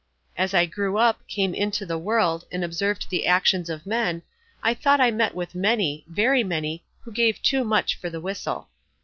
As I grew up, came into the world, and observed the actions of men, I thought I met with many, very many, who gave too much for the whistle.